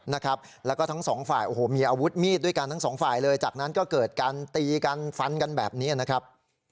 มีอาวุธมีดด้วยกันทั้งสองฝ่ายเลยจากนั้นก็เกิดการตีกันฟันกันแบบนี้นะครับ